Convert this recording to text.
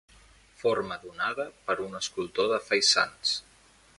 Forma donada per un escultor de faisans.